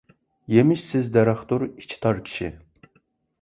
يېمىشسىز دەرەختۇر ئىچى تار كىشى.